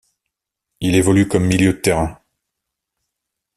Il évolue comme milieu de terrain.